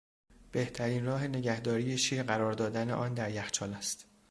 بهترین راه نگهداری شیر قرار دادن آن در یخچال است.